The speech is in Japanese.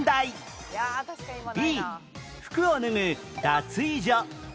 Ｂ 服を脱ぐ脱衣所